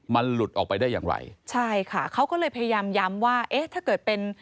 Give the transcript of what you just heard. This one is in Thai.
มันหลุดออกไปได้อย่างไรใช่ค่ะเขาก็เลยพยายามย้ำว่าเอ๊ะถ้าเกิดเป็น